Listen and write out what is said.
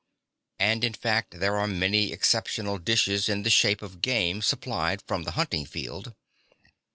And, in fact, there are many exceptional (4) dishes in the shape of game supplied from the hunting field.